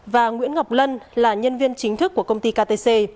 và nguyễn ngọc lân là nhân viên chính thức của công ty ktc